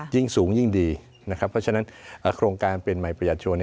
ยิ่งสูงยิ่งดีเพราะฉะนั้นโครงการเปลี่ยนใหม่ประหยัดชัวร์